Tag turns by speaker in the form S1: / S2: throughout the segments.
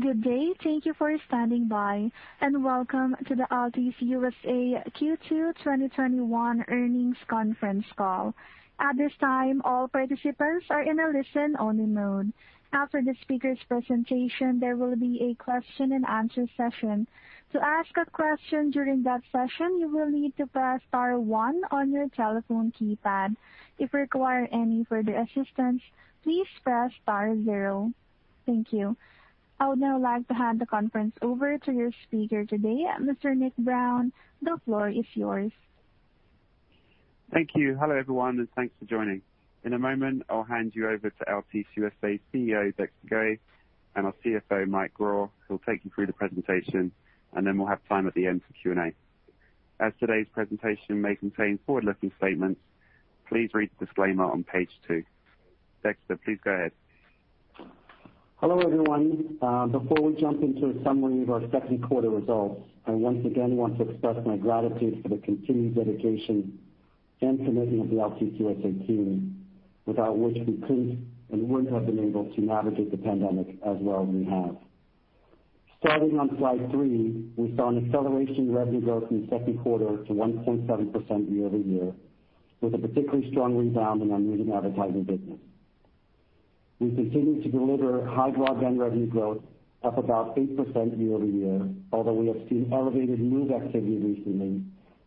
S1: Good day. Thank you for standing by, and welcome to the Altice USA Q2 2021 earnings conference call. Thank you. I would now like to hand the conference over to your speaker today, Mr. Nick Brown. The floor is yours.
S2: Thank you. Hello, everyone, and thanks for joining. In a moment, I'll hand you over to Altice USA CEO, Dexter Goei, and our CFO, Michael Grau, who will take you through the presentation, and then we'll have time at the end for Q&A. As today's presentation may contain forward-looking statements, please read the disclaimer on page two. Dexter, please go ahead.
S3: Hello, everyone. Before we jump into a summary of our second quarter results, I once again want to express my gratitude for the continued dedication and commitment of the Altice USA team, without which we couldn't and wouldn't have been able to navigate the pandemic as well we have. Starting on slide three, we saw an acceleration in revenue growth in the second quarter to 1.7% year-over-year, with a particularly strong rebound in our News & Advertising business. We continued to deliver high broadband revenue growth, up about 8% year-over-year, although we have seen elevated move activity recently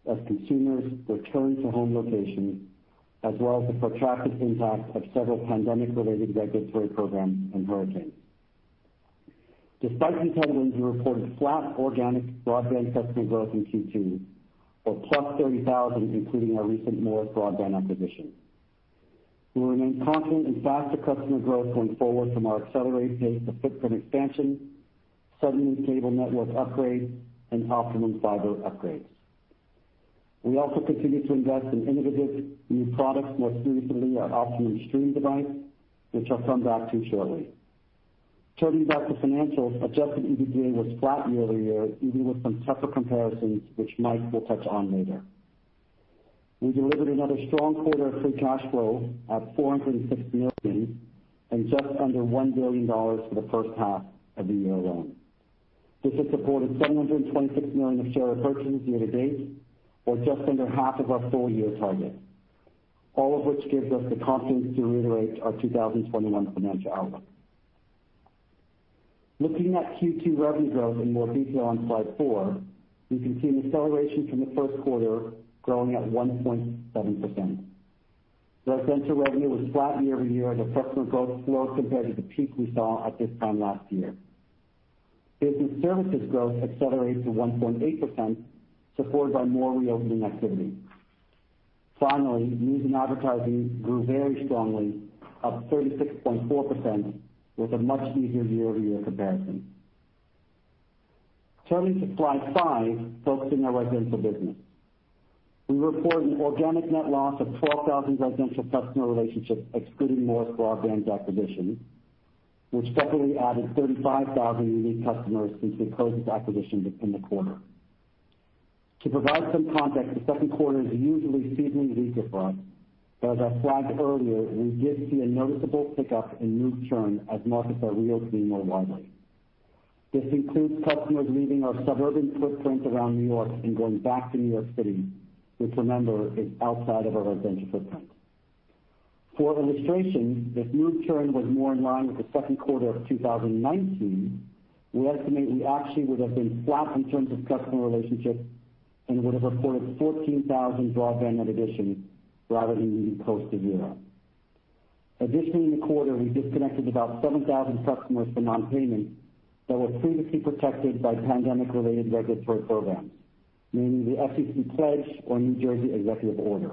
S3: as consumers return to home locations, as well as the protracted impact of several pandemic-related regulatory programs and hurricanes. Despite these headwinds, we reported flat organic broadband customer growth in Q2, or +30,000, including our recent Morris Broadband acquisition. We remain confident in faster customer growth going forward from our accelerated pace of footprint expansion, Suddenlink network upgrades, and Optimum fiber upgrades. We also continue to invest in innovative new products, most recently our Optimum Stream device, which I'll come back to shortly. Turning back to financials, adjusted EBITDA was flat year-over-year, even with some tougher comparisons, which Mike will touch on later. We delivered another strong quarter of free cash flow at $460 million and just under $1 billion for the first half of the year alone. This has supported $726 million of share repurchases year-to-date, or just under half of our full-year target. All of which gives us the confidence to reiterate our 2021 financial outlook. Looking at Q2 revenue growth in more detail on slide four, we can see an acceleration from the first quarter growing at 1.7%. Residential revenue was flat year-over-year as customer growth slowed compared to the peak we saw at this time last year. Business services growth accelerated to 1.8%, supported by more reopening activity. Finally, news and advertising grew very strongly, up 36.4%, with a much easier year-over-year comparison. Turning to slide 5, focusing on our residential business. We report an organic net loss of 12,000 residential customer relationships, excluding Morris Broadband's acquisition, which separately added 35,000 unique customers since we closed this acquisition in the quarter. To provide some context, the second quarter is usually seasonally weaker for us, but as I flagged earlier, we did see a noticeable pickup in move churn as markets are reopening more widely. This includes customers leaving our suburban footprint around New York and going back to New York City, which remember, is outside of our residential footprint. For illustration, if move churn was more in line with the second quarter of 2019, we estimate we actually would have been flat in terms of customer relationships and would have reported 14,000 broadband net additions rather than year posted year over. Additionally, in the quarter, we disconnected about 7,000 customers for non-payment that were previously protected by pandemic related regulatory programs, namely the FCC pledge or New Jersey executive order,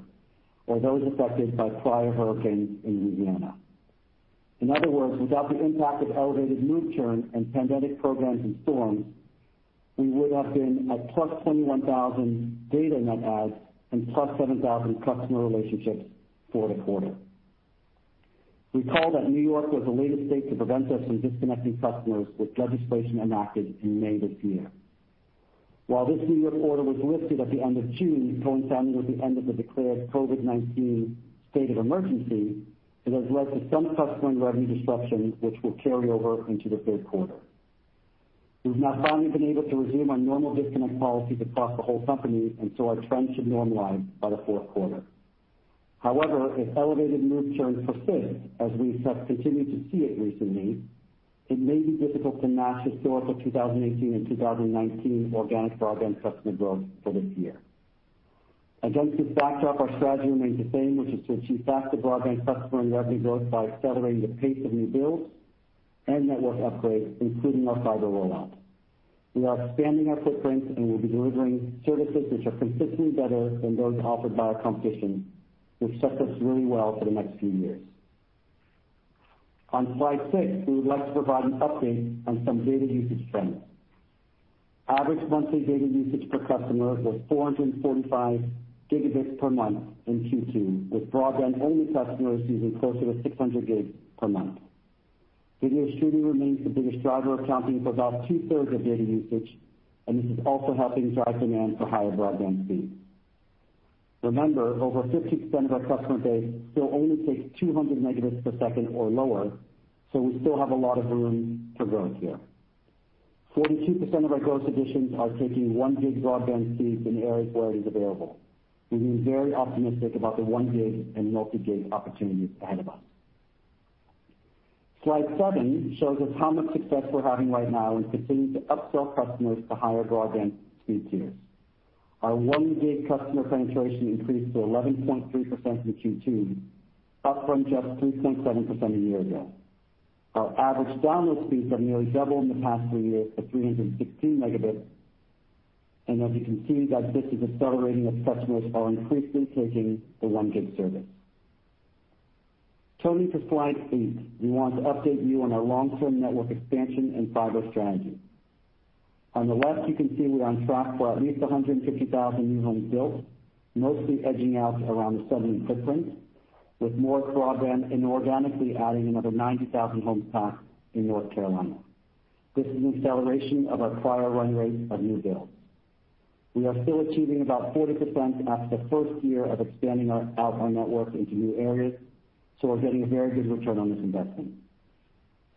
S3: or those affected by prior hurricanes in Louisiana. In other words, without the impact of elevated move churn and pandemic programs and storms, we would have been at plus 21,000 data net adds and plus 7,000 customer relationships for the quarter. Recall that New York was the latest state to prevent us from disconnecting customers with legislation enacted in May this year. While this New York order was lifted at the end of June, coinciding with the end of the declared COVID-19 state of emergency, it has led to some customer and revenue disruption which will carry over into the third quarter. We've now finally been able to resume our normal disconnect policies across the whole company, and so our trend should normalize by the fourth quarter. However, if elevated move churn persists, as we have continued to see it recently, it may be difficult to match historical 2018 and 2019 organic broadband customer growth for this year. Against this backdrop, our strategy remains the same, which is to achieve faster broadband customer and revenue growth by accelerating the pace of new builds and network upgrades, including our fiber rollout. We are expanding our footprint, and we'll be delivering services which are consistently better than those offered by our competition, which sets us really well for the next few years. On slide six, we would like to provide an update on some data usage trends. Average monthly data usage per customer was 445 gigabits per month in Q2, with broadband-only customers using closer to 600 gigs per month. Video streaming remains the biggest driver, accounting for about two-thirds of data usage, and this is also helping drive demand for higher broadband speeds. Remember, over 50% of our customer base still only takes 200 Mb per second or lower, so we still have a lot of room to grow here. 42% of our growth additions are taking 1 gig broadband speeds in areas where it is available. We've been very optimistic about the 1 gig and multi-gig opportunities ahead of us. Slide seven shows us how much success we're having right now in continuing to upsell customers to higher broadband speed tiers. Our 1 gig customer penetration increased to 11.3% in Q2, up from just 3.7% a year ago. Our average download speeds have nearly doubled in the past three years to 316 Mb, and as you can see, that this is accelerating as customers are increasingly taking the 1 gig service. Turning to slide eight, we want to update you on our long-term network expansion and fiber strategy. On the left, you can see we're on track for at least 150,000 new homes built, mostly edging out around the Southern footprint, with Morris Broadband inorganically adding another 90,000 homes passed in North Carolina. This is an acceleration of our prior run rate of new builds. We are still achieving about 40% after the first year of expanding out our network into new areas, so we're getting a very good return on this investment.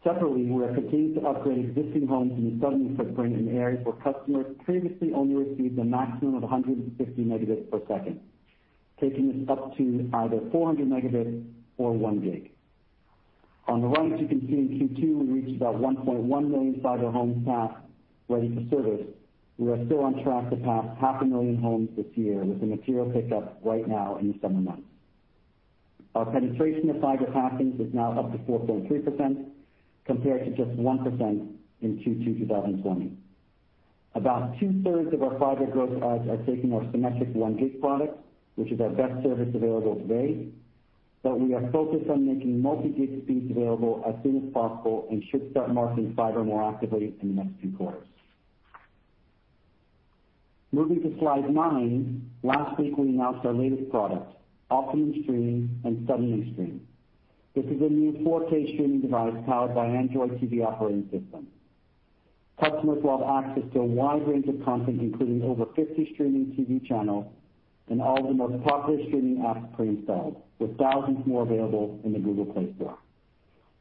S3: Separately, we are continuing to upgrade existing homes in the Suddenlink footprint in areas where customers previously only received a maximum of 150 Mb per second, taking this up to either 400 Mb or 1 gig. On the right, you can see in Q2, we reached about 1.1 million fiber homes passed ready for service. We are still on track to pass 500,000 homes this year with a material pickup right now in the summer months. Our penetration of fiber passings is now up to 4.3%, compared to just 1% in Q2 2020. About two-thirds of our fiber growth adds are taking our symmetric 1 gig product, which is our best service available today, but we are focused on making multi-gig speeds available as soon as possible and should start marketing fiber more actively in the next few quarters. Moving to slide nine. Last week, we announced our latest product, Optimum Stream and Suddenlink Stream. This is a new 4K streaming device powered by Android TV operating system. Customers will have access to a wide range of content, including over 50 streaming TV channels and all the most popular streaming apps pre-installed, with thousands more available in the Google Play store.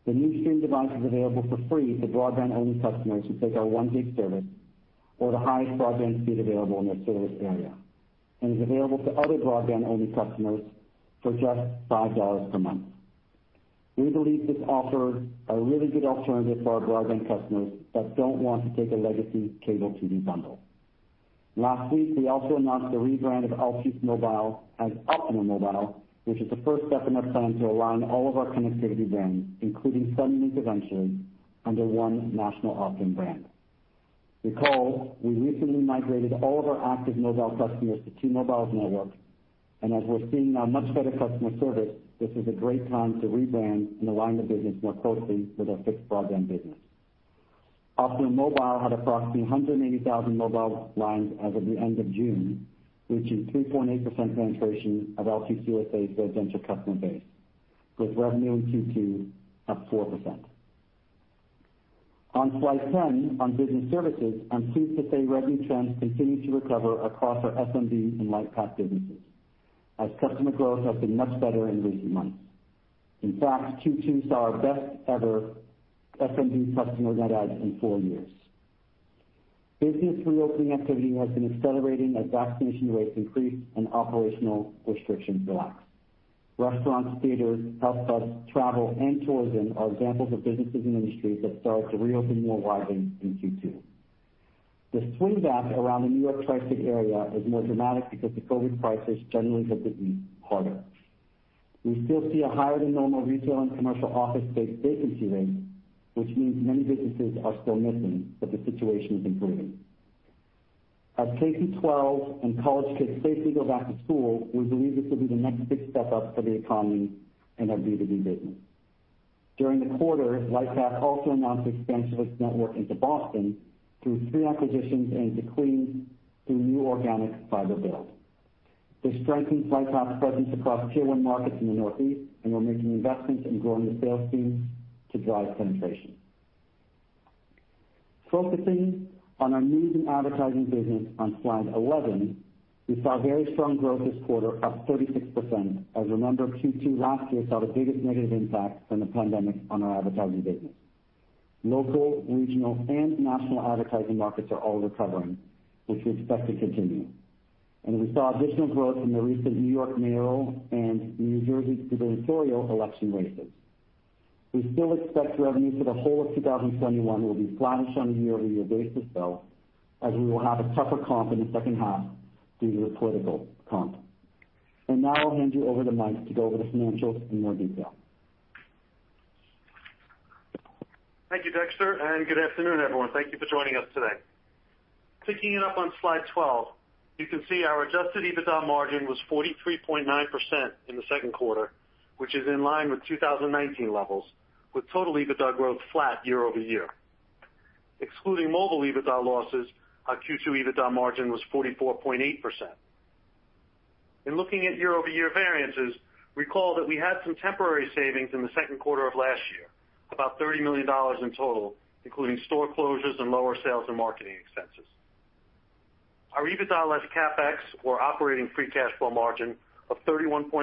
S3: The new Stream device is available for free to broadband-only customers who take our 1 gig service or the highest broadband speed available in their service area, and is available to other broadband-only customers for just $5 per month. We believe this offers a really good alternative for our broadband customers that don't want to take a legacy cable TV bundle. Last week, we also announced the rebrand of Altice Mobile as Optimum Mobile, which is the first step in our plan to align all of our connectivity brands, including Suddenlink in the venture, under one national Optimum brand. Recall, we recently migrated all of our active mobile customers to T-Mobile's network, as we're seeing now much better customer service, this is a great time to rebrand and align the business more closely with our fixed broadband business. Optimum Mobile had approximately 180,000 mobile lines as of the end of June, reaching 3.8% penetration of Altice USA's residential customer base, with revenue in Q2 up 4%. On slide 10, on business services, I'm pleased to say revenue trends continue to recover across our SMB and Lightpath businesses as customer growth has been much better in recent months. Q2 saw our best ever SMB customer net adds in four years. Business reopening activity has been accelerating as vaccination rates increase and operational restrictions relax. Restaurants, theaters, health clubs, travel, and tourism are examples of businesses and industries that started to reopen more widely in Q2. The swing back around the New York Tri-State Area is more dramatic because the COVID crisis generally hit the region harder. We still see a higher than normal retail and commercial office space vacancy rate, which means many businesses are still missing, but the situation is improving. As K-12 and college kids safely go back to school, we believe this will be the next big step up for the economy and our B2B business. During the quarter, Lightpath also announced the expansion of its network into Boston through three acquisitions and to Queens through new organic fiber build. This strengthens Lightpath's presence across tier 1 markets in the Northeast, and we're making investments in growing the sales teams to drive penetration. Focusing on our news and advertising business on slide 11, we saw very strong growth this quarter, up 36%, as remember, Q2 last year saw the biggest negative impact from the pandemic on our advertising business. Local, regional, and national advertising markets are all recovering, which we expect to continue, and we saw additional growth in the recent New York mayoral and New Jersey gubernatorial election races. We still expect revenue for the whole of 2021 will be flattish on a year-over-year basis, though, as we will have a tougher comp in the second half due to the political comp. Now I'll hand you over to Michael Grau to go over the financials in more detail.
S4: Thank you, Dexter. Good afternoon, everyone. Thank you for joining us today. Picking it up on slide 12, you can see our adjusted EBITDA margin was 43.9% in the second quarter, which is in line with 2019 levels, with total EBITDA growth flat year-over-year. Excluding mobile EBITDA losses, our Q2 EBITDA margin was 44.8%. In looking at year-over-year variances, recall that we had some temporary savings in the second quarter of last year. About $30 million in total, including store closures and lower sales and marketing expenses. Our EBITDA less CapEx, or operating free cash flow margin of 31.1%,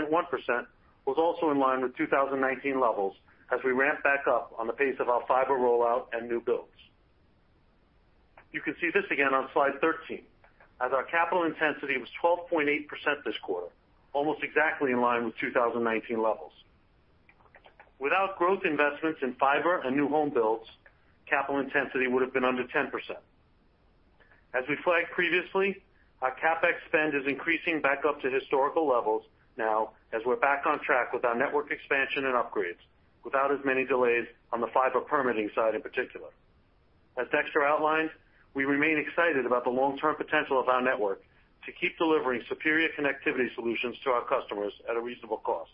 S4: was also in line with 2019 levels as we ramp back up on the pace of our fiber rollout and new builds. You can see this again on slide 13, as our capital intensity was 12.8% this quarter, almost exactly in line with 2019 levels. Without growth investments in fiber and new home builds, capital intensity would have been under 10%. As we flagged previously, our CapEx spend is increasing back up to historical levels now as we're back on track with our network expansion and upgrades, without as many delays on the fiber permitting side in particular. As Dexter outlined, we remain excited about the long-term potential of our network to keep delivering superior connectivity solutions to our customers at a reasonable cost,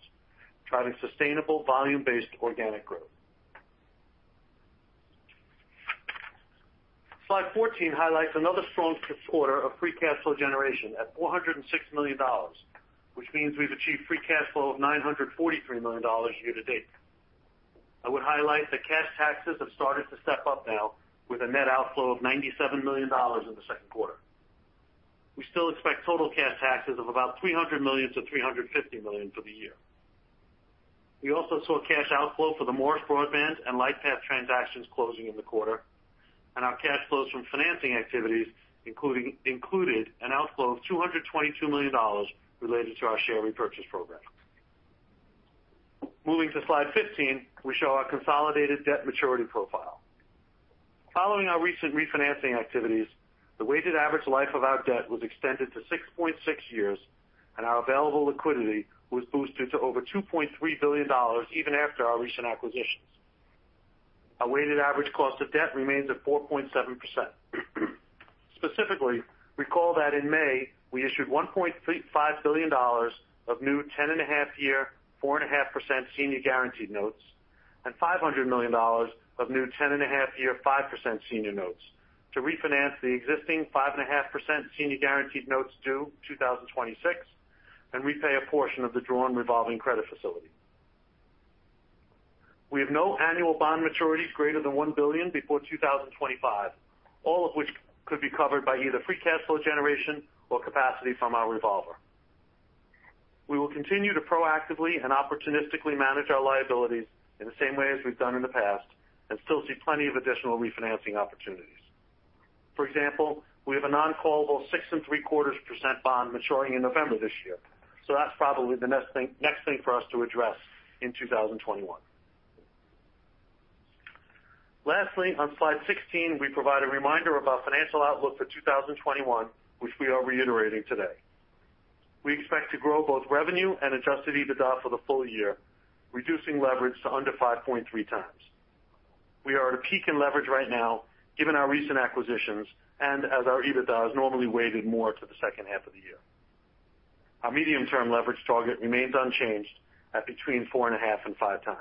S4: driving sustainable volume-based organic growth. Slide 14 highlights another strong quarter of free cash flow generation at $406 million, which means we've achieved free cash flow of $943 million year to date. I would highlight that cash taxes have started to step up now with a net outflow of $97 million in the second quarter. We still expect total cash taxes of about $300 million-$350 million for the year. We also saw cash outflow for the Morris Broadband and Lightpath transactions closing in the quarter. Our cash flows from financing activities included an outflow of $222 million related to our share repurchase program. Moving to slide 15, we show our consolidated debt maturity profile. Following our recent refinancing activities, the weighted average life of our debt was extended to 6.6 years. Our available liquidity was boosted to over $2.3 billion even after our recent acquisitions. Our weighted average cost of debt remains at 4.7%. Specifically, recall that in May, we issued $1.5 billion of new 10 and a half year, 4.5% senior guaranteed notes and $500 million of new 10 and a half year 5% senior notes to refinance the existing 5.5% senior guaranteed notes due 2026 and repay a portion of the drawn revolving credit facility. We have no annual bond maturities greater than $1 billion before 2025, all of which could be covered by either free cash flow generation or capacity from our revolver. We will continue to proactively and opportunistically manage our liabilities in the same way as we've done in the past and still see plenty of additional refinancing opportunities. For example, we have a non-callable 6.75% bond maturing in November this year. That's probably the next thing for us to address in 2021. Lastly, on slide 16, we provide a reminder of our financial outlook for 2021, which we are reiterating today. We expect to grow both revenue and adjusted EBITDA for the full year, reducing leverage to under 5.3 times. We are at a peak in leverage right now, given our recent acquisitions and as our EBITDA is normally weighted more to the second half of the year. Our medium-term leverage target remains unchanged at between 4.5x and 5x.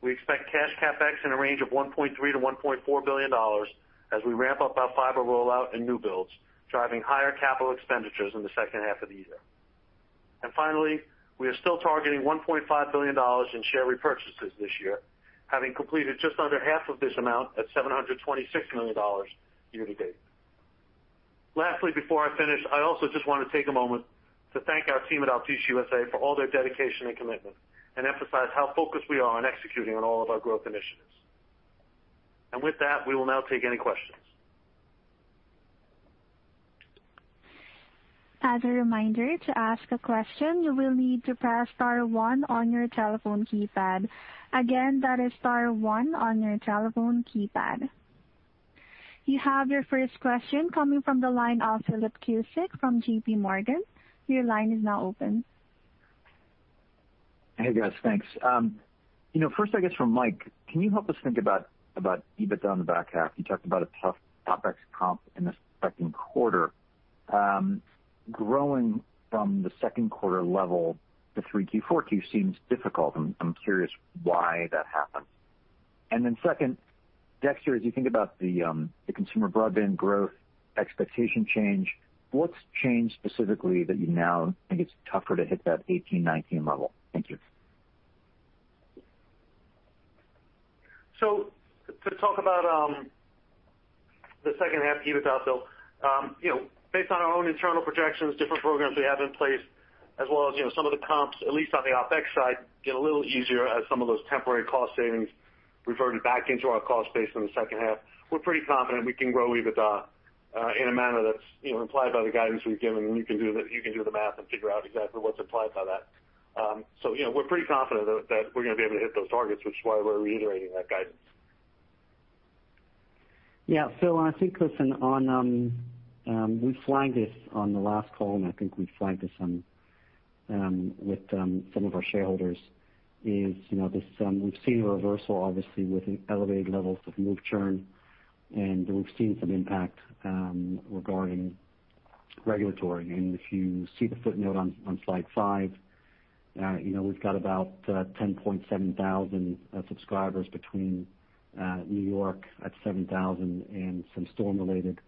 S4: We expect cash CapEx in a range of $1.3 billion-$1.4 billion as we ramp up our fiber rollout and new builds, driving higher capital expenditures in the second half of the year. Finally, we are still targeting $1.5 billion in share repurchases this year, having completed just under half of this amount at $726 million year to date. Lastly, before I finish, I also just want to take a moment to thank our team at Altice USA for all their dedication and commitment and emphasize how focused we are on executing on all of our growth initiatives. With that, we will now take any questions.
S1: You have your first question coming from the line of Philip Cusick from JPMorgan.
S5: Hey, guys. Thanks. First, I guess from Mike, can you help us think about EBITDA on the back half? You talked about a tough OpEx comp in the second quarter. Growing from the second quarter level to 3Q, 4Q seems difficult. I'm curious why that happens. Second, Dexter, as you think about the consumer broadband growth expectation change, what's changed specifically that you now think it's tougher to hit that 18, 19 level? Thank you.
S4: To talk about the second half EBITDA build. Based on our own internal projections, different programs we have in place as well as some of the comps, at least on the OpEx side, get a little easier as some of those temporary cost savings reverted back into our cost base in the second half. We're pretty confident we can grow EBITDA in a manner that's implied by the guidance we've given, and you can do the math and figure out exactly what's implied by that. We're pretty confident that we're going to be able to hit those targets, which is why we're reiterating that guidance.
S3: Yeah. Philip, I think, listen, we flagged this on the last call, and I think we flagged this with some of our shareholders is, we've seen a reversal, obviously, with elevated levels of move churn, and we've seen some impact regarding regulatory. If you see the footnote on slide five, we've got about 10.7 thousand subscribers between New York at 7,000 and some storm-related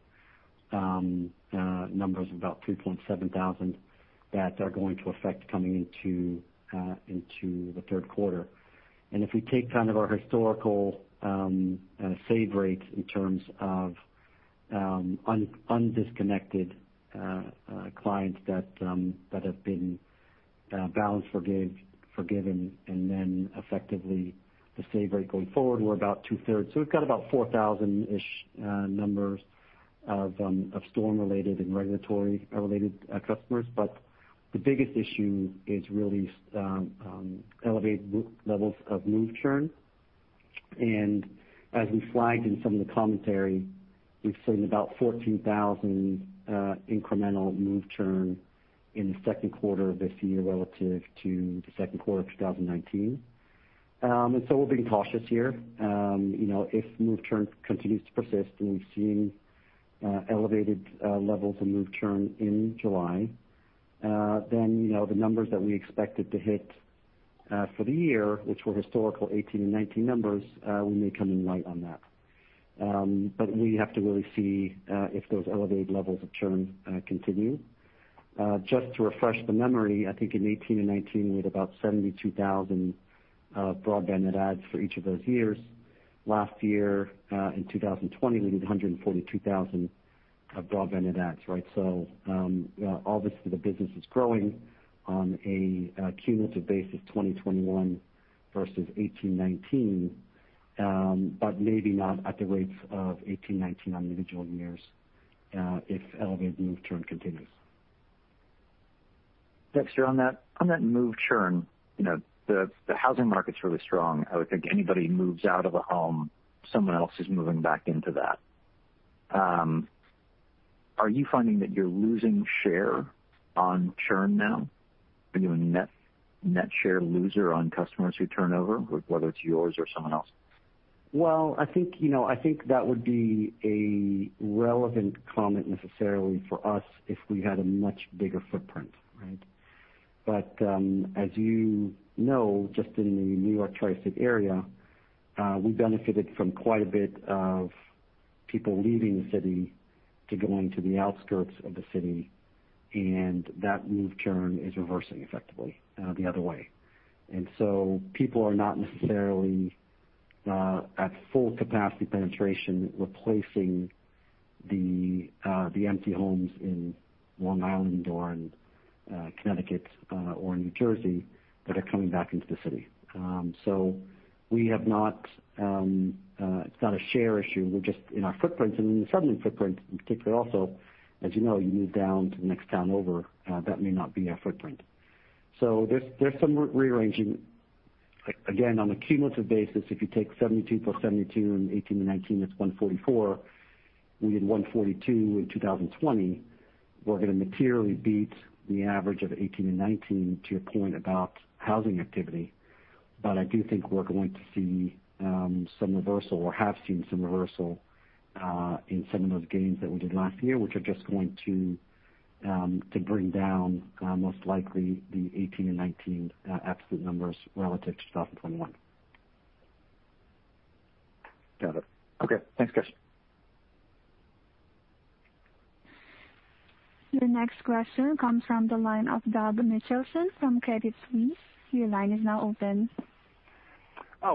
S3: numbers of about 3.7 thousand that are going to affect coming into the third quarter. If we take our historical save rates in terms of undisconnected clients that have been balance forgiven, and then effectively the save rate going forward, we're about two-thirds. We've got about 4,000-ish numbers of storm-related and regulatory-related customers. The biggest issue is really elevated levels of move churn. As we flagged in some of the commentary, we've seen about 14,000 incremental move churn in the second quarter of this year relative to the second quarter of 2019. We're being cautious here. If move churn continues to persist and we've seen elevated levels of move churn in July, then the numbers that we expected to hit for the year, which were historical 2018 and 2019 numbers, we may come in light on that. We have to really see if those elevated levels of churn continue. Just to refresh the memory, I think in 2018 and 2019, we had about 72,000 broadband net adds for each of those years. Last year, in 2020, we did 142,000 broadband net adds. obviously the business is growing on a cumulative basis 2021 versus 2018, 2019, but maybe not at the rates of 2018, 2019 on individual years if elevated move churn continues.
S5: Dexter, on that move churn, the housing market's really strong. I would think anybody moves out of a home, someone else is moving back into that. Are you finding that you're losing share on churn now? Are you a net share loser on customers who turn over, whether it's yours or someone else?
S3: I think that would be a relevant comment necessarily for us if we had a much bigger footprint. As you know, just in the New York tri-state area, we benefited from quite a bit of people leaving the city to going to the outskirts of the city, and that move churn is reversing effectively the other way. People are not necessarily at full capacity penetration, replacing the empty homes in Long Island or in Connecticut or in New Jersey that are coming back into the city. It's not a share issue. We're just in our footprint and in the Suddenlink footprint in particular also, as you know, you move down to the next town over, that may not be our footprint. There's some rearranging. Again, on a cumulative basis, if you take 72+72 in 2018 and 2019, that's 144. We did 142 in 2020. We're going to materially beat the average of 2018 and 2019 to your point about housing activity. I do think we're going to see some reversal or have seen some reversal in some of those gains that we did last year, which are just going to bring down most likely the 2018 and 2019 absolute numbers relative to 2021.
S5: Got it. Okay. Thanks, guys.
S1: Your next question comes from the line of Doug Mitchelson from Credit Suisse. Your line is now open.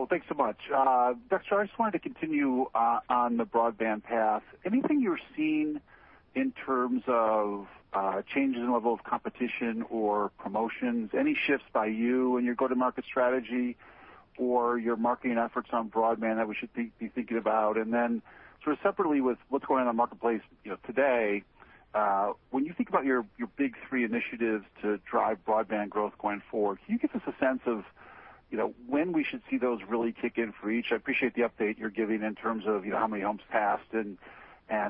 S6: Thanks so much. Dexter, I just wanted to continue on the broadband path. Anything you're seeing in terms of changes in level of competition or promotions, any shifts by you in your go-to-market strategy or your marketing efforts on broadband that we should be thinking about? Sort of separately with what's going on in the marketplace today, when you think about your big three initiatives to drive broadband growth going forward, can you give us a sense of when we should see those really kick in for each? I appreciate the update you're giving in terms of how many homes passed and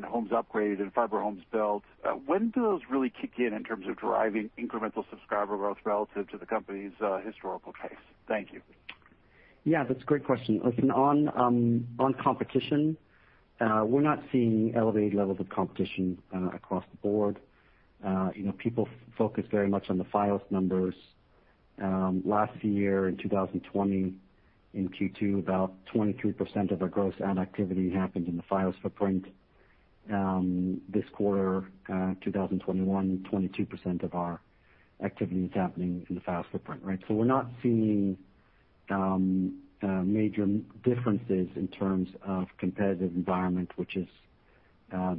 S6: homes upgraded and fiber homes built. When do those really kick in terms of driving incremental subscriber growth relative to the company's historical case? Thank you.
S3: Yeah, that's a great question. Listen, on competition, we're not seeing elevated levels of competition across the board. People focus very much on the Fios numbers. Last year in 2020, in Q2, about 23% of our gross add activity happened in the Fios footprint. This quarter, 2021, 22% of our activity is happening in the Fios footprint. We're not seeing major differences in terms of competitive environment, which is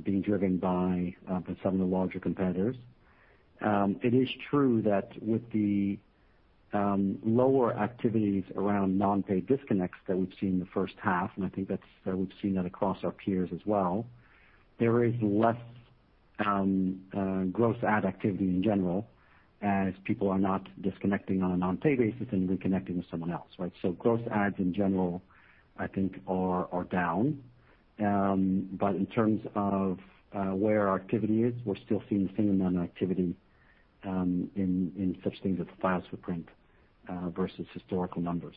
S3: being driven by some of the larger competitors. It is true that with the lower activities around non-pay disconnects that we've seen in the first half, and I think we've seen that across our peers as well, there is less gross add activity in general as people are not disconnecting on a non-pay basis and reconnecting with someone else. Gross adds in general, I think are down. In terms of where our activity is, we're still seeing similar activity in such things as the Fios footprint versus historical numbers.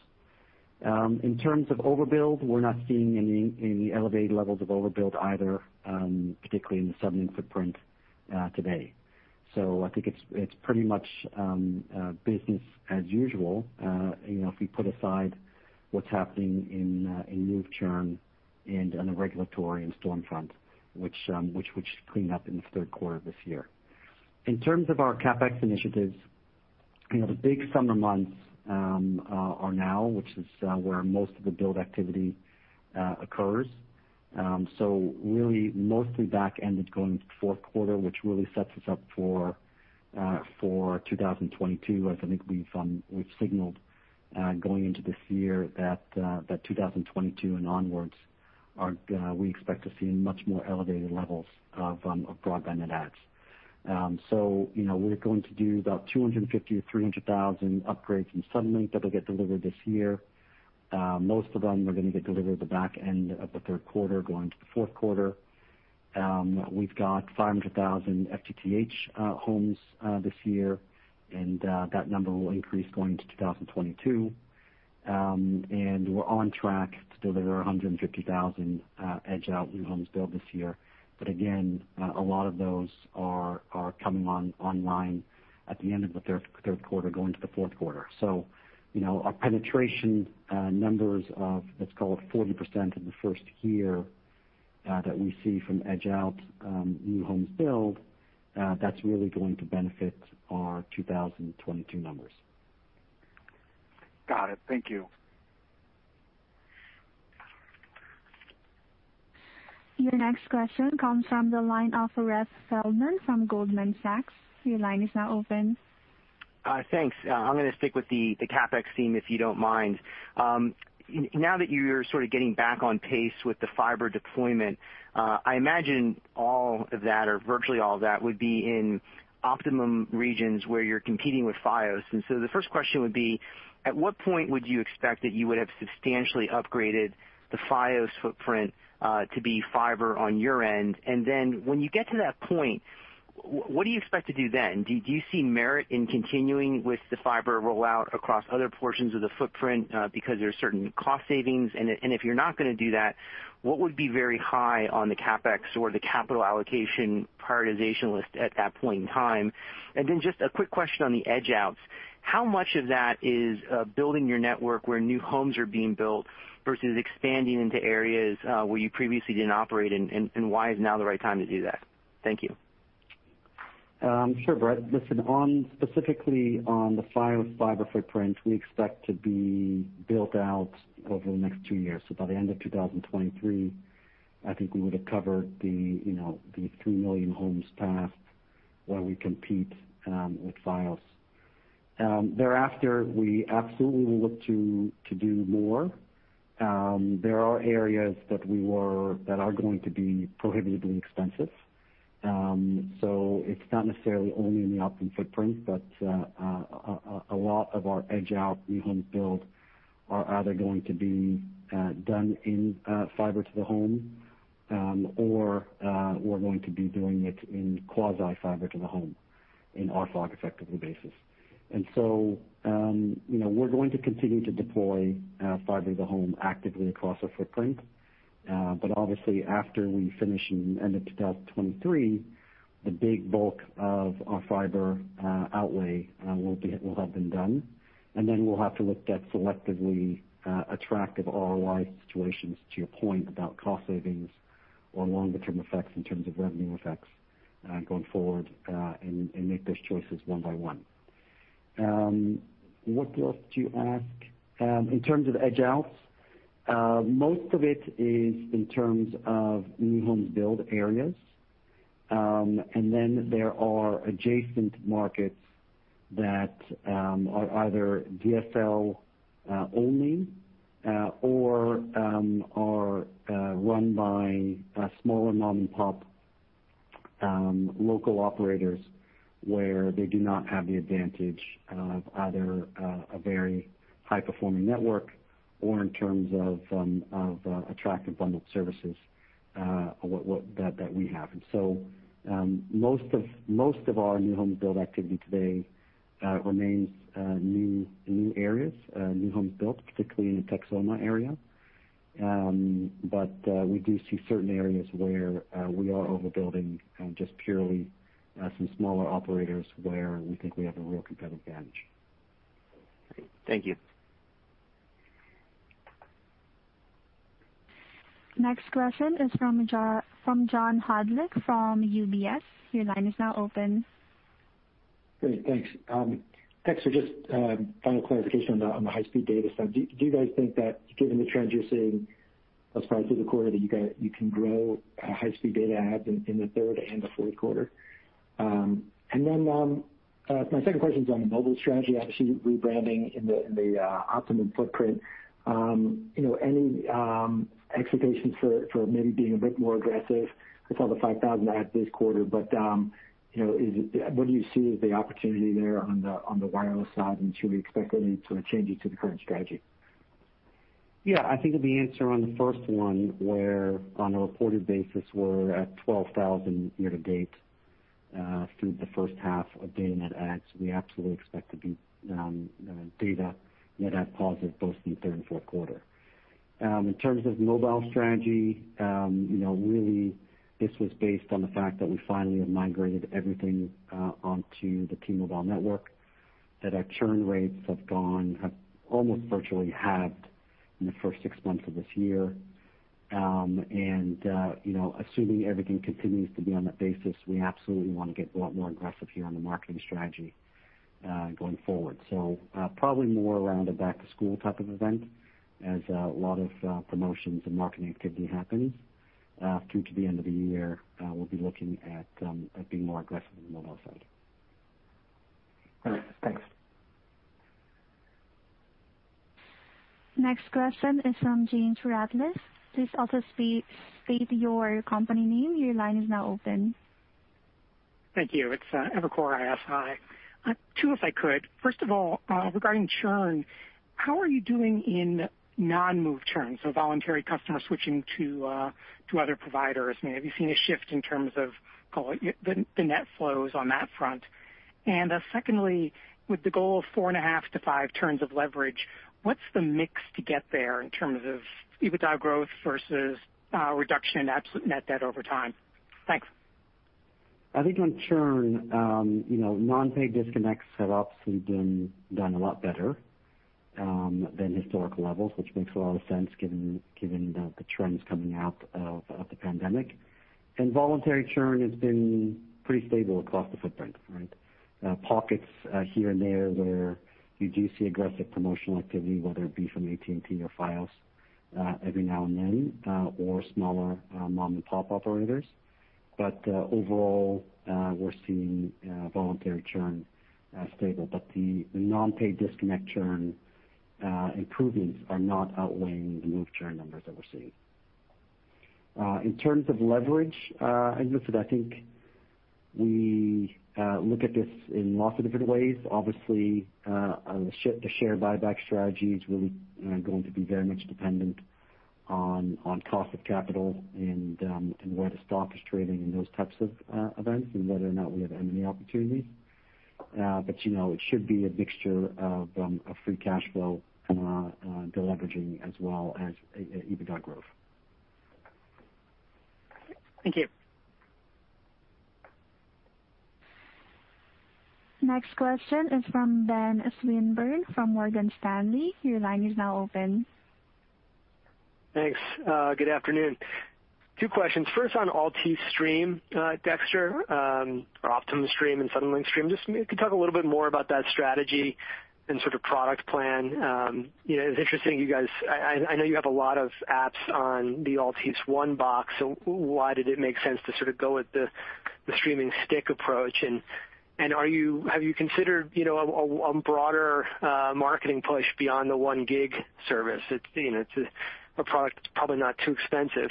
S3: In terms of overbuild, we're not seeing any elevated levels of overbuild either, particularly in the southern footprint today. I think it's pretty much business as usual. If we put aside what's happening in move churn and on the regulatory and storm front, which should clean up in the third quarter of this year. In terms of our CapEx initiatives, the big summer months are now, which is where most of the build activity occurs. Really mostly back-ended going into the fourth quarter, which really sets us up for 2022, as I think we've signaled going into this year that 2022 and onwards, we expect to see much more elevated levels of broadband net adds. We're going to do about 250,000-300,000 upgrades in Suddenlink that will get delivered this year. Most of them are going to get delivered at the back end of the third quarter going into the fourth quarter. We've got 500,000 FTTH homes this year, and that number will increase going into 2022. We're on track to deliver 150,000 edge out new homes build this year. Again, a lot of those are coming online at the end of the third quarter going into the fourth quarter. Our penetration numbers of, let's call it 40% in the first year that we see from edge out new homes build, that's really going to benefit our 2022 numbers.
S6: Got it. Thank you.
S1: Your next question comes from the line of Brett Feldman from Goldman Sachs. Your line is now open.
S7: Thanks. I'm going to stick with the CapEx theme, if you don't mind. Now that you're sort of getting back on pace with the fiber deployment, I imagine all of that or virtually all of that would be in Optimum regions where you're competing with Fios. The first question would be, at what point would you expect that you would have substantially upgraded the Fios footprint to be fiber on your end? When you get to that point, what do you expect to do then? Do you see merit in continuing with the fiber rollout across other portions of the footprint because there are certain cost savings? If you're not going to do that, what would be very high on the CapEx or the capital allocation prioritization list at that point in time? Just a quick question on the edge outs. How much of that is building your network where new homes are being built versus expanding into areas where you previously didn't operate, and why is now the right time to do that? Thank you.
S3: Sure, Brett. Listen, specifically on the Fios fiber footprint, we expect to be built out over the next two years. By the end of 2023, I think we would have covered the three million homes passed where we compete with Fios. Thereafter, we absolutely will look to do more. There are areas that are going to be prohibitively expensive. It's not necessarily only in the Optimum footprint, but a lot of our edge out new homes build are either going to be done in fiber to the home or we're going to be doing it in quasi fiber to the home in RFoG effectively basis. We're going to continue to deploy fiber to the home actively across our footprint. Obviously after we finish and end of 2023, the big bulk of our fiber outlay will have been done, and then we'll have to look at selectively attractive ROI situations to your point about cost savings or longer term effects in terms of revenue effects going forward, and make those choices one by one. What else did you ask? In terms of edge outs, most of it is in terms of new homes build areas, and then there are adjacent markets that are either DSL only or are run by smaller mom-and-pop local operators where they do not have the advantage of either a very high-performing network or in terms of attractive bundled services that we have. Most of our new homes build activity today remains new areas, new homes built particularly in the Texoma area. We do see certain areas where we are overbuilding just purely some smaller operators where we think we have a real competitive advantage.
S7: Great. Thank you.
S1: Next question is from John Hodulik from UBS. Your line is now open.
S8: Great. Thanks. Just final clarification on the high-speed data stuff. Do you guys think that given the trends you're seeing thus far through the quarter, that you can grow high-speed data adds in the third and the fourth quarter? Then, my second question is on the mobile strategy, obviously rebranding in the Optimum footprint. Any expectations for maybe being a bit more aggressive? I saw the 5,000 adds this quarter, but what do you see as the opportunity there on the wireless side, and should we expect any sort of changes to the current strategy?
S3: Yeah, I think the answer on the first one, where on a reported basis we're at 12,000 year to date through the first half of data net adds. We absolutely expect to be data net add positive both in the third and fourth quarter. In terms of mobile strategy, really this was based on the fact that we finally have migrated everything onto the T-Mobile network, that our churn rates have almost virtually halved in the first six months of this year. Assuming everything continues to be on that basis, we absolutely want to get a lot more aggressive here on the marketing strategy going forward. Probably more around a back-to-school type of event as a lot of promotions and marketing activity happens through to the end of the year. We'll be looking at being more aggressive on the mobile side.
S8: All right. Thanks.
S1: Next question is from James Ratcliffe. Please also state your company name. Your line is now open.
S9: Thank you. It's Evercore ISI. Two, if I could. First of all, regarding churn, how are you doing in non-move churn, so voluntary customers switching to other providers? Have you seen a shift in terms of the net flows on that front? Secondly, with the goal of 4.5-5 turns of leverage, what's the mix to get there in terms of EBITDA growth versus reduction in absolute net debt over time? Thanks.
S3: I think on churn, non-pay disconnects have obviously done a lot better than historical levels, which makes a lot of sense given the trends coming out of the pandemic. Voluntary churn has been pretty stable across the footprint. Pockets here and there where you do see aggressive promotional activity, whether it be from AT&T or Fios every now and then or smaller mom-and-pop operators. Overall, we're seeing voluntary churn stable. The non-pay disconnect churn improvements are not outweighing the move churn numbers that we're seeing. In terms of leverage, listen, I think we look at this in lots of different ways. Obviously, the share buyback strategy is really going to be very much dependent on cost of capital and where the stock is trading and those types of events, and whether or not we have M&A opportunities. It should be a mixture of free cash flow, deleveraging, as well as EBITDA growth.
S9: Thank you.
S1: Next question is from Ben Swinburne from Morgan Stanley. Your line is now open.
S10: Thanks. Good afternoon. Two questions. First, on Optimum Stream, Dexter, or Optimum Stream and Suddenlink Stream, just if you could talk a little bit more about that strategy and sort of product plan. It's interesting, I know you have a lot of apps on the Altice One box. Why did it make sense to sort of go with the streaming stick approach? Have you considered a broader marketing push beyond the 1 gig service? It's a product that's probably not too expensive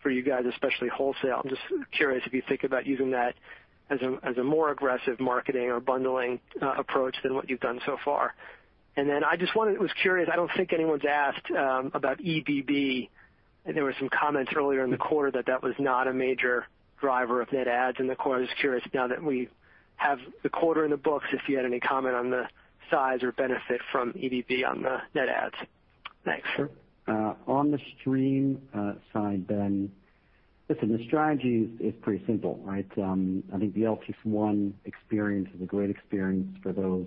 S10: for you guys, especially wholesale. I'm just curious if you think about using that as a more aggressive marketing or bundling approach than what you've done so far. I just was curious, I don't think anyone's asked about EBB, and there were some comments earlier in the quarter that that was not a major driver of net adds in the quarter. I'm just curious, now that we have the quarter in the books, if you had any comment on the size or benefit from EBB on the net adds. Thanks.
S3: Sure. On the Stream side, Ben, listen, the strategy is pretty simple, right? I think the Altice One experience is a great experience for those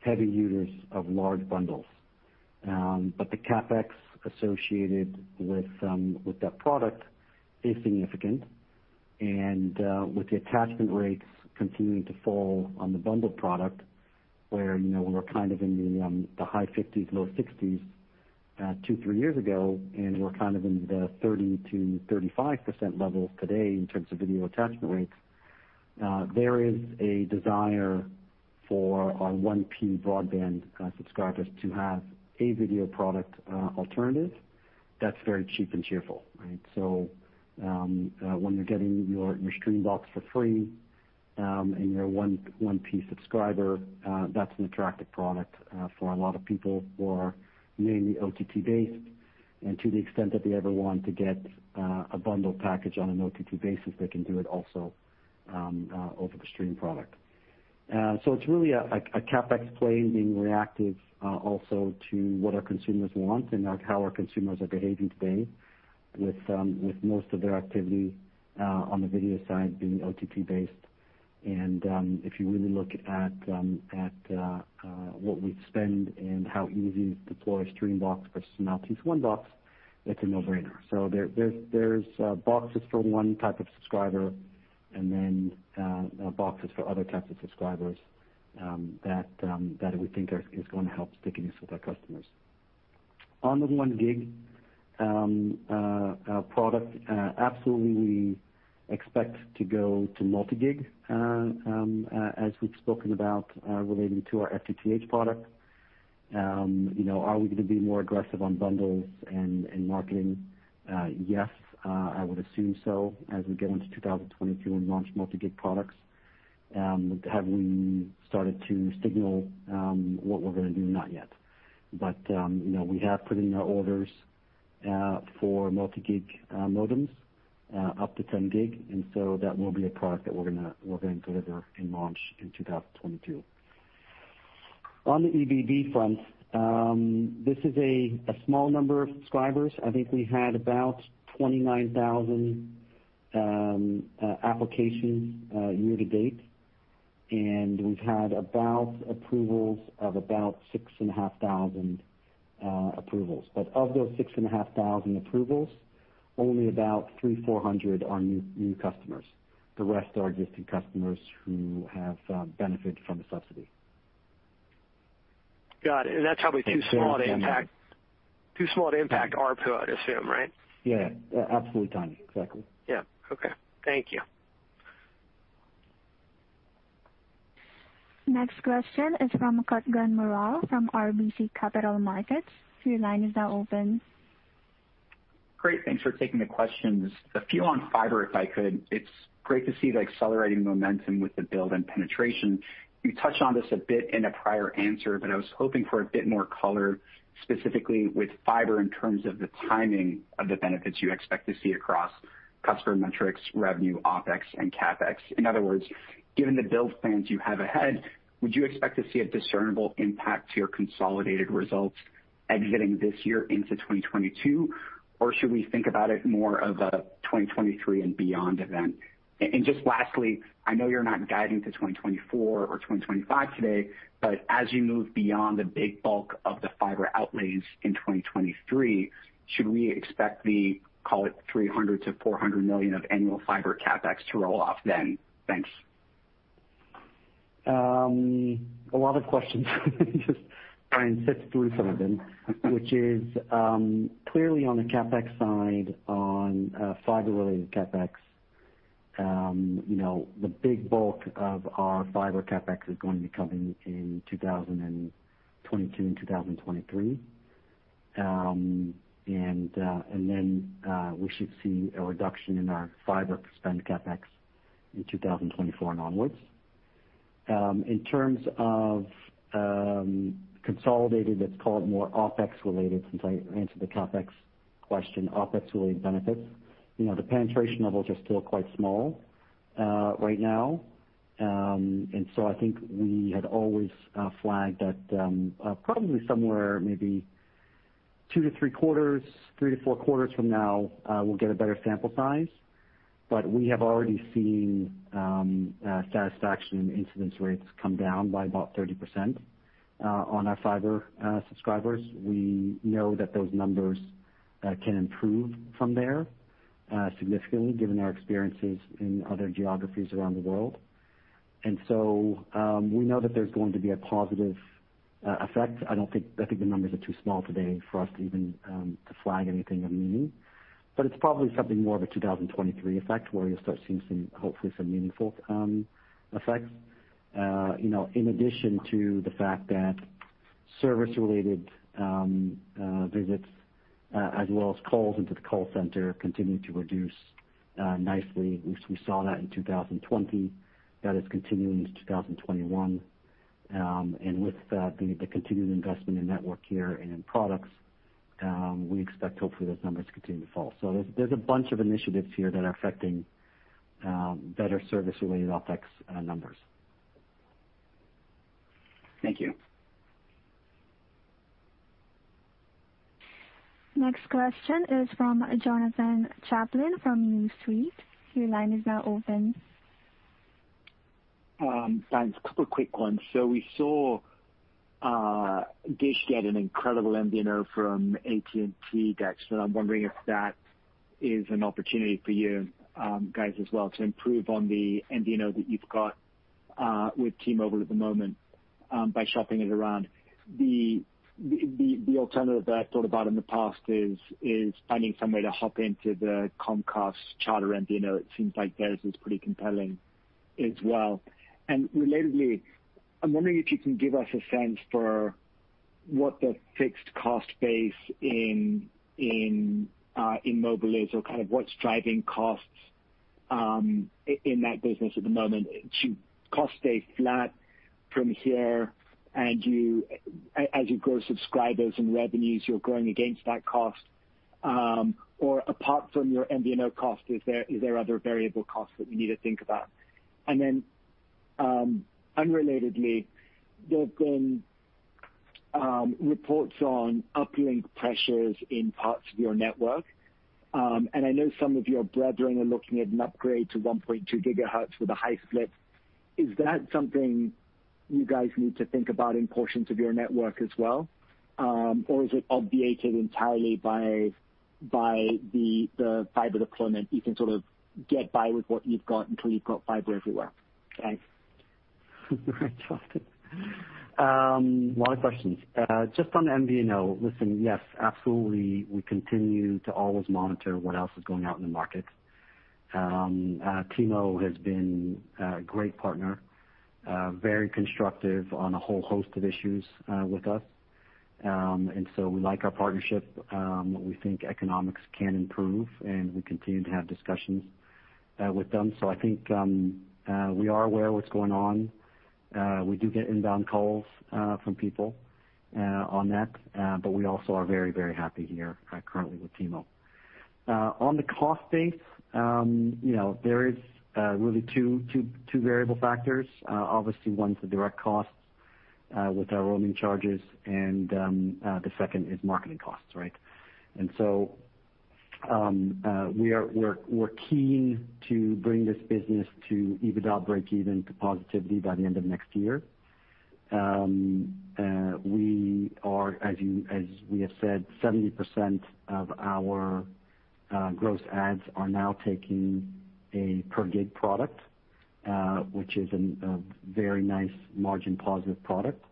S3: heavy users of large bundles. The CapEx associated with that product is significant, and with the attachment rates continuing to fall on the bundle product, where we were kind of in the high 50s, low 60s, two, three years ago, and we're kind of in the 30%-35% levels today in terms of video attachment rates. There is a desire for our 1P broadband subscribers to have a video product alternative that's very cheap and cheerful. When you're getting your Stream box for free and you're a 1P subscriber, that's an attractive product for a lot of people who are mainly OTT based. To the extent that they ever want to get a bundle package on an OTT basis, they can do it also over the Stream product. It's really a CapEx play being reactive also to what our consumers want and how our consumers are behaving today with most of their activity on the video side being OTT based. If you really look at what we spend and how easy to deploy a Stream box versus an Altice One box, it's a no-brainer. There's boxes for one type of subscriber and then boxes for other types of subscribers that we think is going to help stickiness with our customers. On the one gig product, absolutely expect to go to multi-gig as we've spoken about relating to our FTTH product. Are we going to be more aggressive on bundles and marketing? I would assume so as we get into 2022 and launch multi-gig products. Have we started to signal what we're going to do? Not yet. We have put in our orders for multi-gig modems up to 10 gig, that will be a product that we're going to deliver and launch in 2022. On the EBB front, this is a small number of subscribers. I think we had about 29,000 applications year to date, we've had about approvals of about 6,500 approvals. Of those 6,500 approvals, only about 300 or 400 are new customers. The rest are existing customers who have benefited from the subsidy.
S10: Got it. That's probably too small an impact to ARPU, I'd assume, right?
S4: Yeah. Absolutely, Tony. Exactly.
S10: Yeah. Okay. Thank you.
S1: Next question is from Kutgun Maral from RBC Capital Markets. Your line is now open.
S11: Great. Thanks for taking the questions. A few on fiber, if I could. It's great to see the accelerating momentum with the build and penetration. You touched on this a bit in a prior answer, but I was hoping for a bit more color, specifically with fiber in terms of the timing of the benefits you expect to see across customer metrics, revenue, OpEx, and CapEx. In other words, given the build plans you have ahead, would you expect to see a discernible impact to your consolidated results exiting this year into 2022? Or should we think about it more of a 2023 and beyond event? Just lastly, I know you're not guiding to 2024 or 2025 today, but as you move beyond the big bulk of the fiber outlays in 2023, should we expect the, call it $300 million-$400 million of annual fiber CapEx to roll off then? Thanks.
S3: A lot of questions. Let me just try and sift through some of them. Clearly on the CapEx side, on fiber-related CapEx, the big bulk of our fiber CapEx is going to be coming in 2022 and 2023. We should see a reduction in our fiber spend CapEx in 2024 and onwards. In terms of consolidated, let's call it more OpEx related, since I answered the CapEx question, OpEx-related benefits. The penetration levels are still quite small right now. I think we had always flagged that probably somewhere maybe two to three quarters, three to four quarters from now, we'll get a better sample size. We have already seen satisfaction incidence rates come down by about 30% on our fiber subscribers. We know that those numbers can improve from there significantly given our experiences in other geographies around the world. We know that there's going to be a positive effect. I think the numbers are too small today for us to even to flag anything of meaning. It's probably something more of a 2023 effect where you'll start seeing hopefully some meaningful effects. In addition to the fact that service-related visits as well as calls into the call center continue to reduce nicely. We saw that in 2020. That is continuing into 2021. With the continued investment in network here and in products, we expect hopefully those numbers continue to fall. There's a bunch of initiatives here that are affecting better service-related OpEx numbers.
S11: Thank you.
S1: Next question is from Jonathan Chaplin from New Street. Your line is now open.
S12: Thanks. A couple of quick ones. We saw Dish get an incredible MVNO from AT&T, Dex. I'm wondering if that is an opportunity for you guys as well to improve on the MVNO that you've got with T-Mobile at the moment by shopping it around. The alternative that I thought about in the past is finding some way to hop into the Comcast Charter MVNO. It seems like theirs is pretty compelling as well. Relatedly, I'm wondering if you can give us a sense for what the fixed cost base in mobile is, or what's driving costs in that business at the moment. Do costs stay flat from here and as you grow subscribers and revenues, you're growing against that cost? Apart from your MVNO cost, is there other variable costs that we need to think about? Unrelatedly, there have been reports on uplink pressures in parts of your network. I know some of your brethren are looking at an upgrade to 1.2 GHz with a high split. Is that something you guys need to think about in portions of your network as well? Is it obviated entirely by the fiber deployment? You can sort of get by with what you've got until you've got fiber everywhere. Thanks.
S3: All right, Jonathan. A lot of questions. Just on MVNO, listen, yes, absolutely, we continue to always monitor what else is going out in the market. T-Mo has been a great partner, very constructive on a whole host of issues with us. We like our partnership. We think economics can improve, and we continue to have discussions with them. I think we are aware of what's going on. We do get inbound calls from people on that. We also are very, very happy here currently with T-Mo. On the cost base, there are really two variable factors. Obviously, one is the direct costs with our roaming charges, and the second is marketing costs. We're keen to bring this business to EBITDA breakeven to positivity by the end of next year. We are, as we have said, 70% of our gross adds are now taking a per gig product, which is a very nice margin positive product.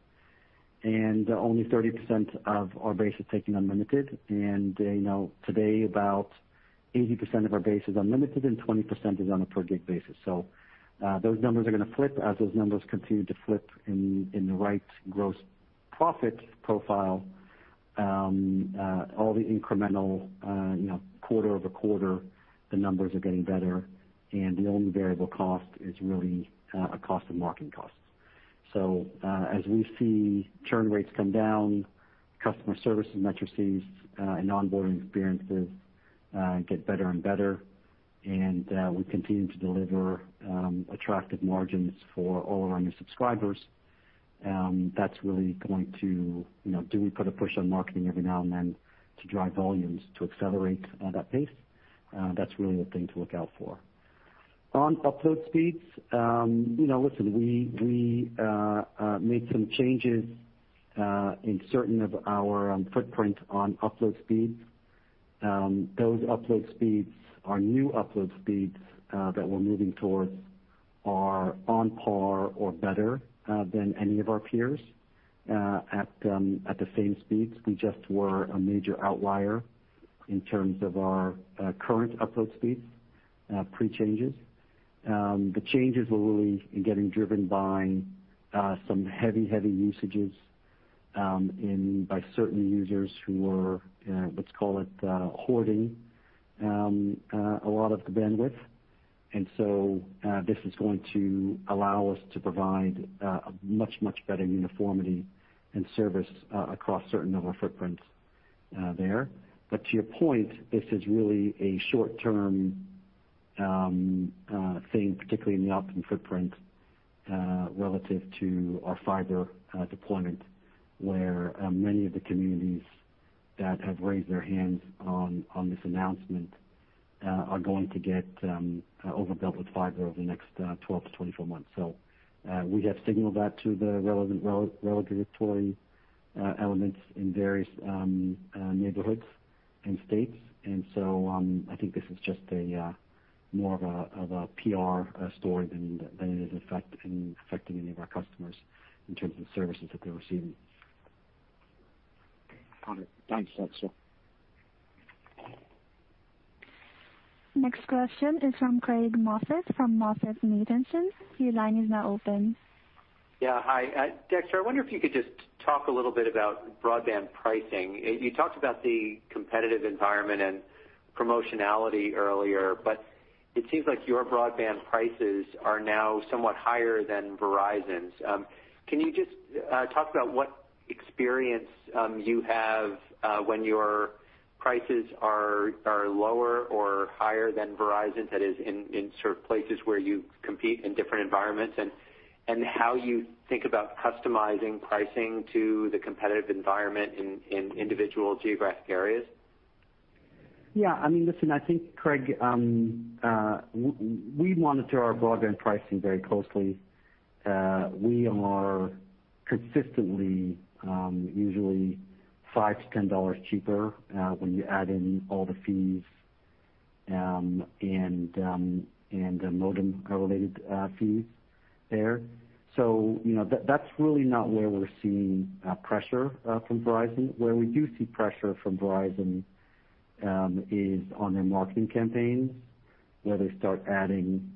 S3: Only 30% of our base is taking unlimited. Today about 80% of our base is unlimited and 20% is on a per gig basis. Those numbers are going to flip. As those numbers continue to flip in the right gross profit profile, all the incremental, quarter-over-quarter, the numbers are getting better, and the only variable cost is really a cost of marketing costs. As we see churn rates come down, customer service matrices and onboarding experiences get better and better, and we continue to deliver attractive margins for all of our new subscribers. That's really going to. Do we put a push on marketing every now and then to drive volumes to accelerate that pace? That's really the thing to look out for. On upload speeds, listen, we made some changes in certain of our footprint on upload speeds. Those upload speeds are new upload speeds that we're moving towards are on par or better than any of our peers at the same speeds. We just were a major outlier in terms of our current upload speeds, pre-changes. The changes were really getting driven by some heavy usages by certain users who were, let's call it, hoarding a lot of the bandwidth. This is going to allow us to provide a much better uniformity and service across certain of our footprints there. To your point, this is really a short-term thing, particularly in the Optimum footprint, relative to our fiber deployment, where many of the communities that have raised their hands on this announcement are going to get overbuilt with fiber over the next 12-24 months. We have signaled that to the relevant regulatory elements in various neighborhoods and states. I think this is just more of a PR story than it is affecting any of our customers in terms of services that they're receiving.
S12: Got it. Thanks, Dexter.
S1: Next question is from Craig Moffett from MoffettNathanson. Your line is now open.
S13: Yeah. Hi, Dexter. I wonder if you could just talk a little bit about broadband pricing. You talked about the competitive environment and promotionality earlier, but it seems like your broadband prices are now somewhat higher than Verizon's. Can you just talk about what experience you have when your prices are lower or higher than Verizon's, that is in sort of places where you compete in different environments, and how you think about customizing pricing to the competitive environment in individual geographic areas?
S3: Yeah. Listen, I think, Craig, we monitor our broadband pricing very closely. We are consistently usually $5-$10 cheaper when you add in all the fees and the modem-related fees there. That's really not where we're seeing pressure from Verizon. Where we do see pressure from Verizon is on their marketing campaigns, where they start adding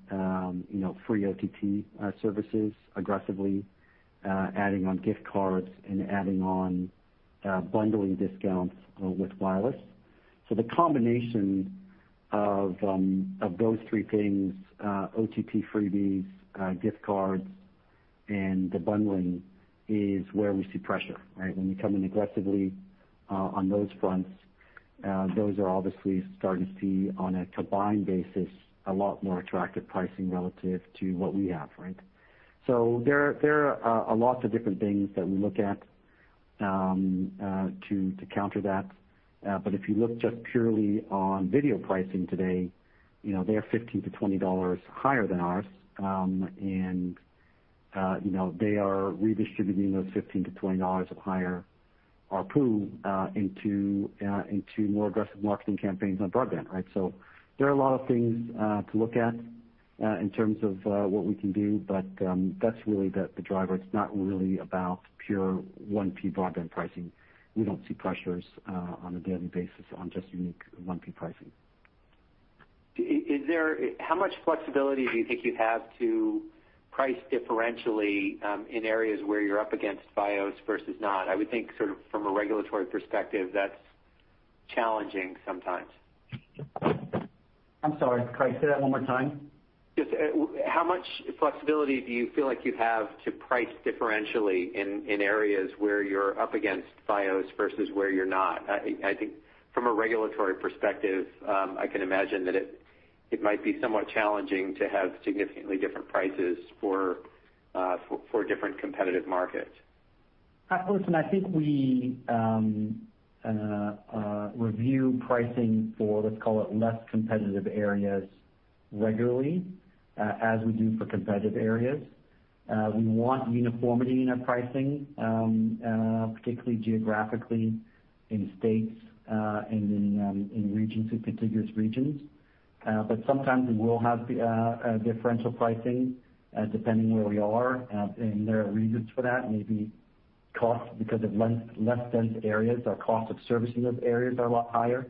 S3: free OTT services aggressively, adding on gift cards, and adding on bundling discounts with wireless. The combination of those three things, OTT freebies, gift cards, and the bundling, is where we see pressure. When they come in aggressively on those fronts, those are obviously starting to see, on a combined basis, a lot more attractive pricing relative to what we have. There are lots of different things that we look at to counter that. If you look just purely on video pricing today, they are $15-$20 higher than ours. They are redistributing those $15-$20 of higher ARPU into more aggressive marketing campaigns on broadband. There are a lot of things to look at in terms of what we can do. That's really the driver. It's not really about pure 1P broadband pricing. We don't see pressures on a daily basis on just unique 1P pricing.
S13: How much flexibility do you think you have to price differentially in areas where you're up against Fios versus not? I would think from a regulatory perspective, that's challenging sometimes.
S3: I'm sorry, Craig, say that one more time.
S13: Just how much flexibility do you feel like you have to price differentially in areas where you're up against Fios versus where you're not? I think from a regulatory perspective, I can imagine that it might be somewhat challenging to have significantly different prices for different competitive markets.
S3: Listen, I think we review pricing for, let's call it less competitive areas regularly, as we do for competitive areas. We want uniformity in our pricing, particularly geographically in states and in regions with contiguous regions. Sometimes we will have differential pricing depending on where we are, and there are reasons for that, maybe cost because of less dense areas, our cost of servicing those areas are a lot higher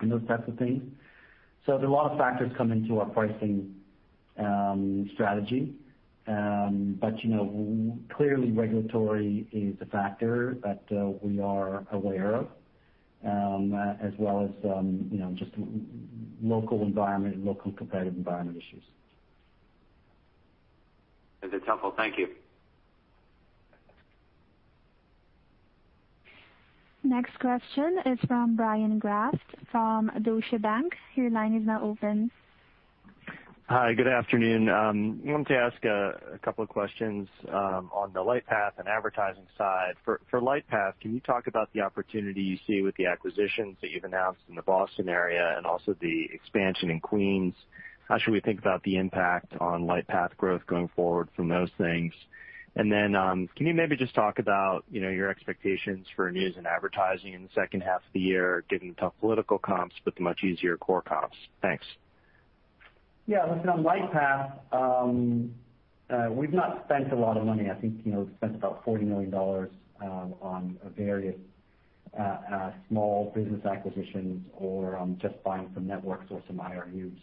S3: and those types of things. There are a lot of factors come into our pricing strategy. Clearly regulatory is a factor that we are aware of, as well as just local environment and local competitive environment issues.
S13: That's helpful. Thank you.
S1: Next question is from Bryan Kraft from Deutsche Bank. Your line is now open.
S14: Hi, good afternoon. I wanted to ask two questions on the Lightpath and advertising side. For Lightpath, can you talk about the opportunity you see with the acquisitions that you've announced in the Boston area and also the expansion in Queens? How should we think about the impact on Lightpath growth going forward from those things? Can you maybe just talk about your expectations for news and advertising in the second half of the year, given tough political comps but the much easier core comps? Thanks.
S3: Yeah. Listen, on Lightpath, we've not spent a lot of money. I think we spent about $40 million on various small business acquisitions or on just buying some networks or some IRUs.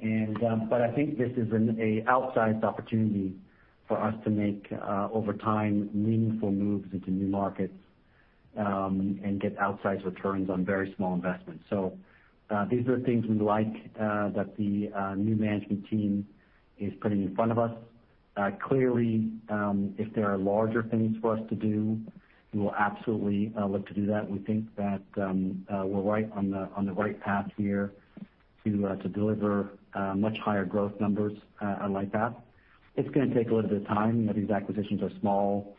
S3: I think this is an outsized opportunity for us to make, over time, meaningful moves into new markets, and get outsized returns on very small investments. These are things we like that the new management team is putting in front of us. Clearly, if there are larger things for us to do, we will absolutely look to do that. We think that we're on the right path here to deliver much higher growth numbers on Lightpath. It's going to take a little bit of time. These acquisitions are small.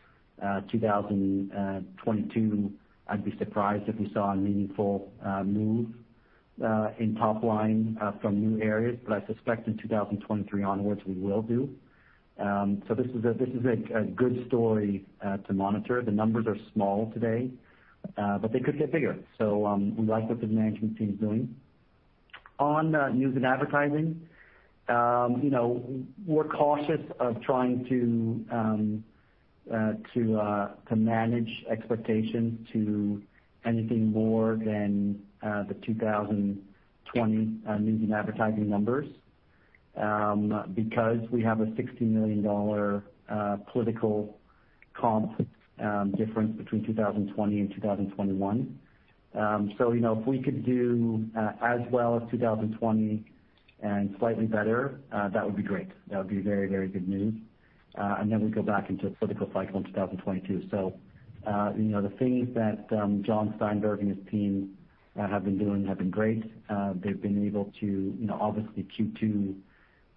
S3: 2022, I'd be surprised if we saw a meaningful move in top line from new areas. I suspect in 2023 onwards, we will do. This is a good story to monitor. The numbers are small today, but they could get bigger. We like what the management team is doing. On news and advertising, we're cautious of trying to manage expectations to anything more than the 2020 news and advertising numbers, because we have a $60 million political comp difference between 2020 and 2021. If we could do as well as 2020 and slightly better, that would be great. That would be very good news. We go back into a political cycle in 2022. The things that Jon Steinberg and his team have been doing have been great. obviously Q2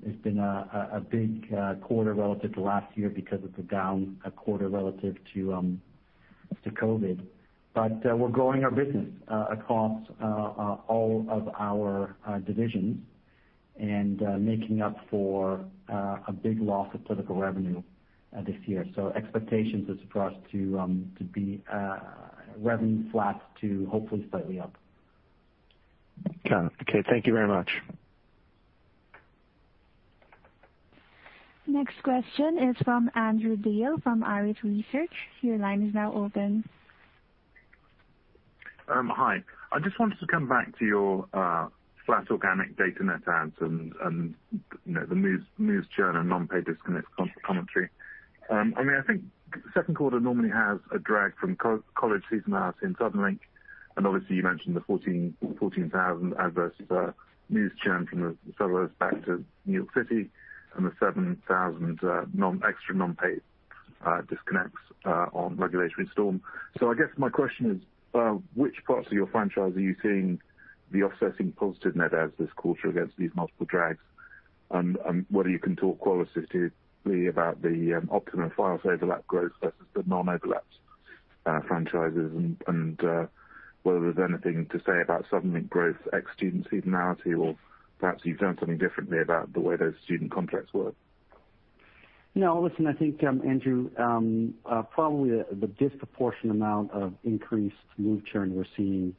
S3: has been a big quarter relative to last year because it's a down quarter relative to COVID. We're growing our business across all of our divisions and making up for a big loss of political revenue this year. Expectations is for us to be revenue flat to hopefully slightly up.
S14: Got it. Okay. Thank you very much.
S1: Next question is from Andrew Beale from Arete Research. Your line is now open.
S15: Hi. I just wanted to come back to your flat organic data net adds and the news churn and non-pay disconnect commentary. I think Q2 normally has a drag from college seasonality in Suddenlink, and obviously you mentioned the 14,000 adverse news churn from several factors back to New York City and the 7,000 extra non-pay disconnects on regulatory storm. I guess my question is, which parts of your franchise are you seeing the offsetting positive net adds this quarter against these multiple drags? Whether you can talk qualitatively about the Optimum Fios overlap growth versus the non-overlap franchises and whether there's anything to say about Suddenlink growth ex student seasonality or perhaps you've done something differently about the way those student contracts work.
S3: Listen, I think, Andrew, probably the disproportion amount of increased move churn we're seeing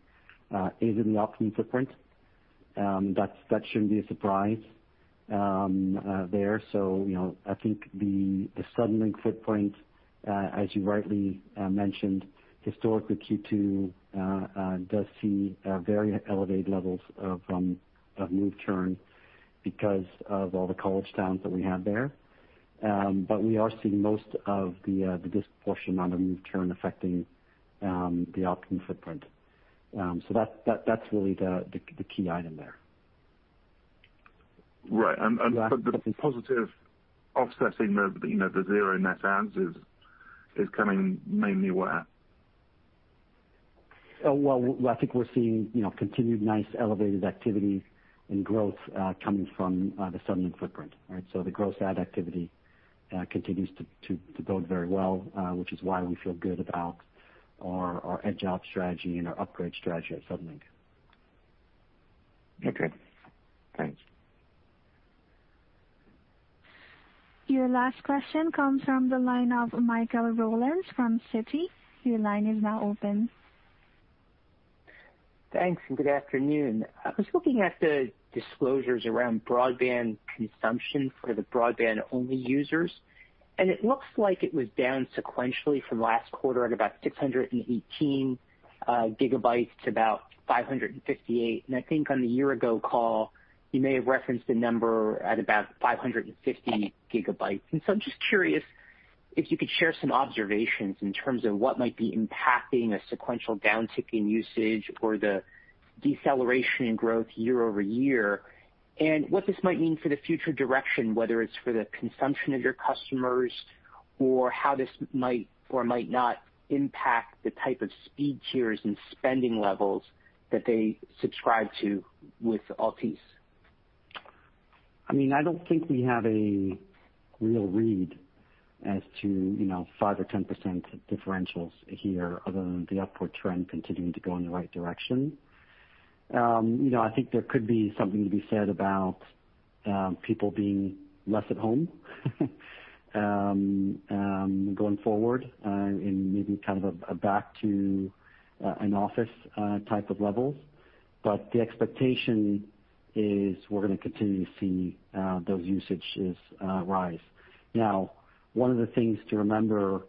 S3: is in the Optimum footprint. That shouldn't be a surprise there. I think the Suddenlink footprint, as you rightly mentioned, historically Q2 does see very elevated levels of move churn because of all the college towns that we have there. We are seeing most of the disproportion amount of move churn affecting the Optimum footprint. That's really the key item there.
S15: Right. The positive offsetting of the zero net adds is coming mainly where?
S3: Well, I think we're seeing continued nice elevated activity and growth coming from the Suddenlink footprint. Right? The growth add activity continues to build very well, which is why we feel good about our edge-out strategy and our upgrade strategy at Suddenlink.
S15: Okay. Thanks.
S1: Your last question comes from the line of Michael Rollins from Citi. Your line is now open.
S16: Thanks, good afternoon. I was looking at the disclosures around broadband consumption for the broadband-only users, it looks like it was down sequentially from last quarter at about 618 GB to about 558 GB. I think on the year ago call, you may have referenced a number at about 550 GB. I'm just curious if you could share some observations in terms of what might be impacting a sequential downtick in usage or the deceleration in growth year-over-year, and what this might mean for the future direction, whether it's for the consumption of your customers or how this might or might not impact the type of speed tiers and spending levels that they subscribe to with Altice.
S3: I don't think we have a real read as to 5% or 10% differentials here other than the upward trend continuing to go in the right direction. I think there could be something to be said about people being less at home going forward, in maybe kind of a back to an office type of levels. The expectation is we're going to continue to see those usages rise. One of the things to remember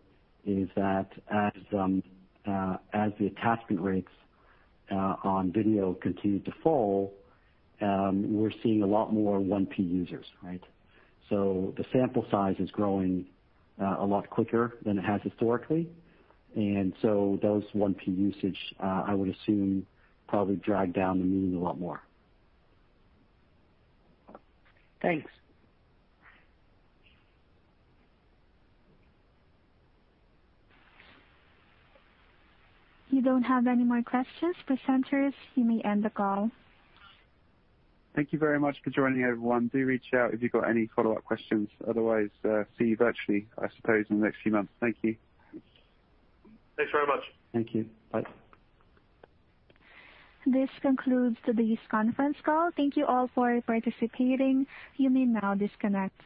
S3: is that as the attachment rates on video continue to fall, we're seeing a lot more 1P users, right? The sample size is growing a lot quicker than it has historically. Those 1P usage, I would assume probably drag down the meaning a lot more.
S16: Thanks.
S1: You don't have any more questions. Presenters, you may end the call.
S2: Thank you very much for joining, everyone. Do reach out if you've got any follow-up questions. Otherwise, see you virtually, I suppose, in the next few months. Thank you.
S4: Thanks very much.
S3: Thank you. Bye.
S1: This concludes today's conference call. Thank You all for participating. You may now disconnect.